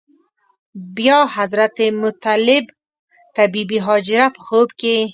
بیا حضرت مطلب ته بې بي هاجره په خوب کې.